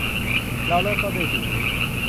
เราเริ่มต้นด้วยสิ่งนี้